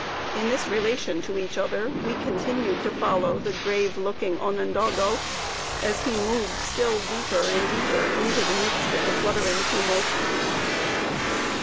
In this relation to each other, we continued to follow the grave looking Onondago, as he moved, still deeper and deeper, into the midst of the fluttering tumult.